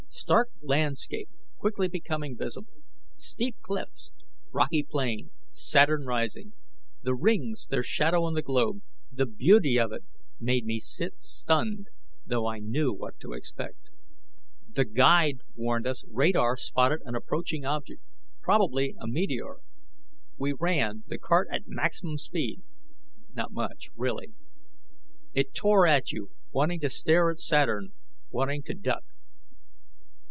Stark landscape quickly becoming visible. Steep cliffs, rocky plain. Saturn rising. The rings, their shadow on the globe, the beauty of it, made me sit stunned, though I knew what to expect. The guide warned us radar spotted an approaching object, probably a meteor. We ran, the cart at maximum speed not much, really. It tore at you, wanting to stare at Saturn, wanting to duck.